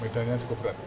medan yang cukup rapuh